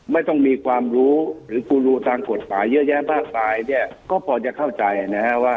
ไม่ต้องมีความรู้หรือกูรูทางกฎหมายเยอะแยะมากมายเนี่ยก็พอจะเข้าใจนะฮะว่า